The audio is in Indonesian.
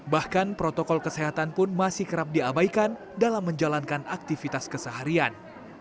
bahkan protokol kesehatan pun masih kerap diabaikan dalam menjalankan aktivitas keseharian